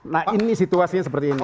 nah ini situasinya seperti ini